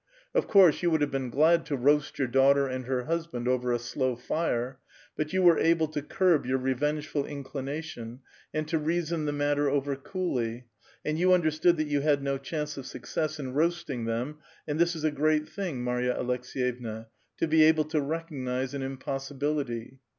Of course you would have been glad to roast your c^aughter and her husband over a slow fire ; but you were able "tio curb^your revengeful inclination and to reason the matter <z>ver coolly, and you understood that you had no chance of n s^uccess in roasting them, and this is a great thing, Marya.J Aleks^yevua, to be able to recognize an impossibility